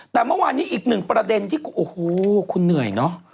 แต่เมื่อวานนี้อีก๑ประเด็นโอ้โหครับคุณเหนื่อยเนอะ